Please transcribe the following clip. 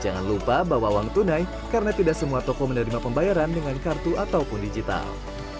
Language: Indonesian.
jangan lupa bawa uang tunai karena tidak semua toko menerima pembayaran dengan kartu ataupun digital